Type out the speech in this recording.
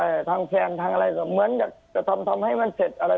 ทางแฟนทางอะไรก็เหมือนอยากจะทำทำให้มันเสร็จอะไร